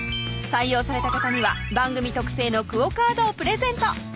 採用された方には番組特製のＱＵＯカードをプレゼント